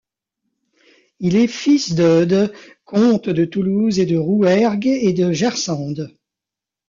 Il est fils d'Eudes, comte de Toulouse et de Rouergue et de Gersende.